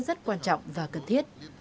rất quan trọng và cần thiết